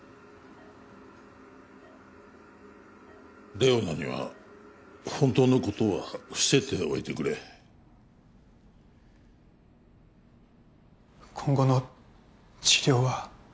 玲於奈には本当のことは伏せておいてくれ今後の治療は？